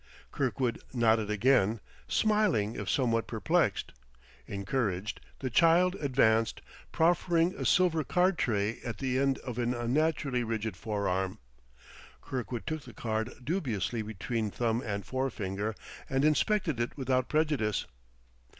Kirkwood nodded again, smiling if somewhat perplexed. Encouraged, the child advanced, proffering a silver card tray at the end of an unnaturally rigid forearm. Kirkwood took the card dubiously between thumb and forefinger and inspected it without prejudice.